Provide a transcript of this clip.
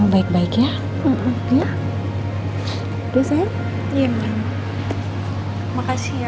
kamu baik baik ya